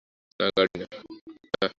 না, গর্ডি, না!